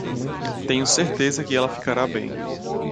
Tenho certeza que ela ficará bem.